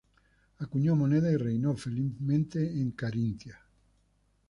Acuñó moneda y reinó felizmente en Carintia.